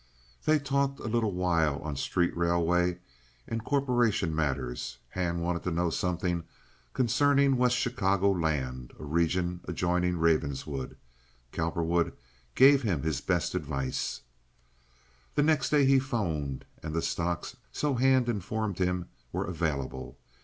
They talked for a little while on street railway and corporation matters. Hand wanted to know something concerning West Chicago land—a region adjoining Ravenswood. Cowperwood gave him his best advice. The next day he 'phoned, and the stocks, so Hand informed him, were available.